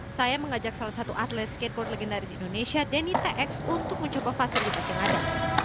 saya mengajak salah satu atlet skateboard legendaris indonesia denny tx untuk mencoba fasilitas yang ada